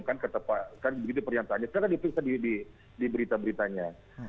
kan begitu pernyataannya sekarang diperiksa di berita beritanya